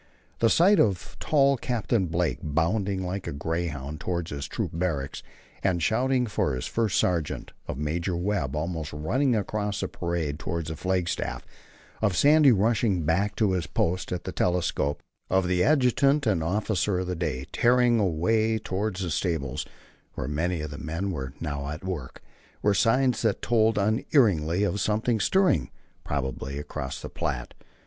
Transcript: The sight of tall Captain Blake bounding like a greyhound toward his troop barracks, and shouting for his first sergeant, of Major Webb almost running across the parade toward the flagstaff, of Sandy rushing back to his post at the telescope, of the adjutant and officer of the day tearing away toward the stables, where many of the men were now at work, were signs that told unerringly of something stirring, probably across the Platte.